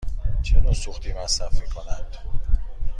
چه نوع سوختی مصرف می کند؟